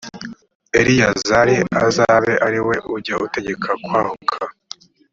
eleyazari azabe ari we ujya ategeka kwahuka